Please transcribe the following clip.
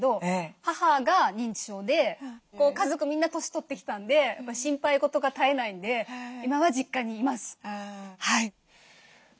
家族みんな年取ってきたんで心配事が絶えないんで今は実家にいます。